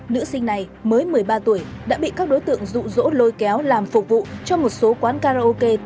nữ sinh này mới một mươi ba tuổi đã bị các đối tượng rụ rỗ lôi kéo làm phục vụ cho một số quán karaoke